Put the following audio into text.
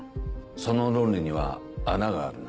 その論理には穴があるな。